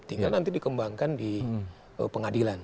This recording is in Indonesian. tinggal nanti dikembangkan di pengadilan